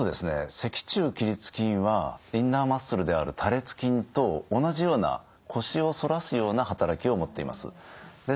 脊柱起立筋はインナーマッスルである多裂筋と同じような腰を反らすような働きを持っています。